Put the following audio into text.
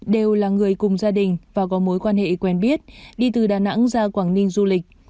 đều là người cùng gia đình và có mối quan hệ quen biết đi từ đà nẵng ra quảng ninh du lịch